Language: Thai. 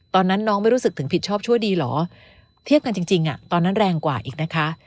ตอนนั้นน้องไม่รู้สึกถึงผิดชอบชั่วดีเหรอเทียบกันจริงตอนนั้นแรงกว่าอีกนะคะ